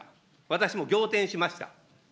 私も仰天しました。